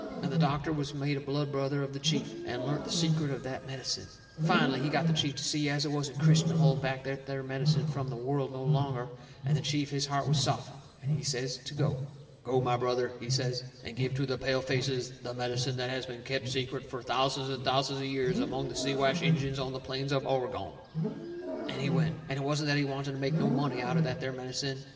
And the doctor was made a blood brother of the chief, and learnt the secret of that medicine. Finally he got the chief to see as it wasn't Christian to hold back that there medicine from the world no longer, and the chief, his heart was softened, and he says to go. "Go, my brother," he says, "and give to the pale faces the medicine that has been kept secret fur thousands and thousands of years among the Siwash Injuns on the plains of Oregon." And he went. It wasn't that he wanted to make no money out of that there medicine.